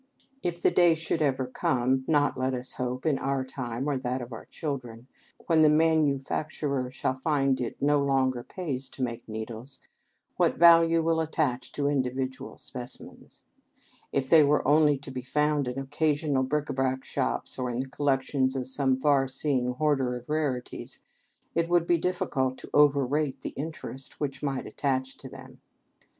If the day should ever come, not, let us hope, in our time or that of our children, when the manufacturer shall find that it no longer pays to make needles, what value will attach to individual specimens! If they were only to be found in occasional bric ├Ā brac shops or in the collections of some far seeing hoarder of rarities, it would be difficult to overrate the interest which might attach to them.